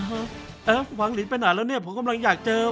เอฟหวังลินไปนานแล้วเนี่ยผมกำลังอยากเจอ